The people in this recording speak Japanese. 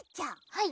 はい！